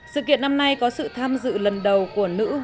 sự kiện năm nay có sự tham dự lần đầu của nữ hoàng hoa anh